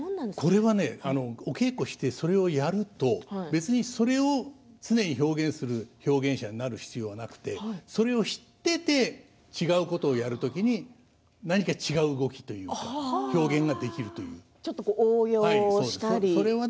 これはお稽古をしてそれをやると別にそれを常に表現する表現者になる必要はなくてそれを知っていて違うことをやる時に何か違う動きというかちょっと応用したり。